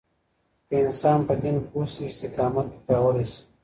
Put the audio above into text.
که انسان په دين پوه شي، استقامت به پیاوړی شي.